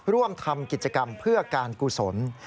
ร่วมทำกิจกรรมเพื่อการกุศล